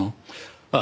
ああ